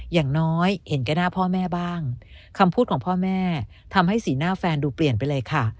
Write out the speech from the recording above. อย่างน้อยเห็นแก่หน้าพ่อแม่บ้างคำพูดของพ่อแม่ทำให้สีหน้าแฟนดูเปลี่ยนไปเลยค่ะ